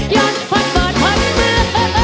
ย้อนพัดเปิดพัดเมื่อ